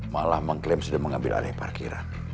malah mengklaim sudah mengambil alih parkiran